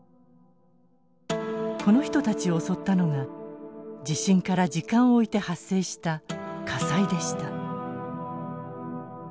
この人たちを襲ったのが地震から時間をおいて発生した火災でした。